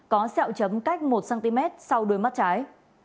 có xẹo chấm cách một cm sau đôi mắt trái